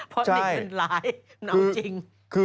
เพราะเนี่ยเป็นร้ายน้องจริง